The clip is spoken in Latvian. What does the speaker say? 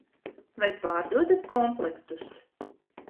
Vai pārdodat komplektus?